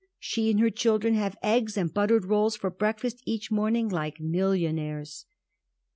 She and her children have eggs and buttered rolls for breakfast each morning like millionaires."